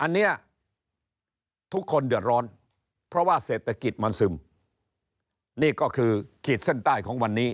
นี่ก็คือคิดเส้นใต้ของวันนี้